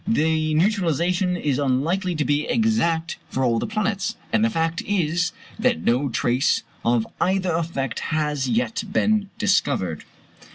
The neutralization is unlikely to be exact for all the planets; and the fact is, that no trace of either effect has as yet been discovered.